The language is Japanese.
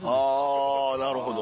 あぁなるほど。